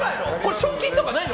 賞金とかないの？